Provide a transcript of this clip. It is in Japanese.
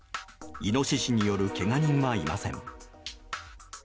イノシシによるけが人はいません。